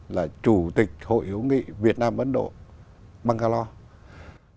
là chủ tịch hội hiếu nghị việt nam ấn độ bangalo